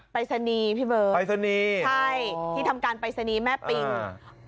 ไปรษณีย์พี่เบิ้ลใช่ที่ทำการไปรษณีย์แม่ปิงไปรษณีย์